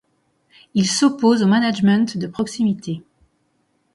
Il s'oppose au management de proximité.